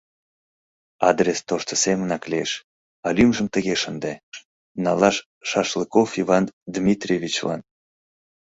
Адрес тошто семынак лиеш, а лӱмжым тыге шынде: «Налаш Шашлыков Иван Дмитриевичлан».